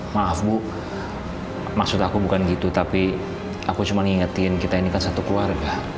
maaf bu maksud aku bukan gitu tapi aku cuma ingetin kita ini kan satu keluarga